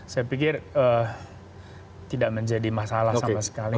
saya pikir tidak menjadi masalah sama sekali